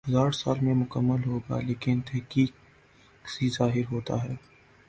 ہزا ر سال میں مکمل ہوگا لیکن تحقیق سی ظاہر ہوتا ہی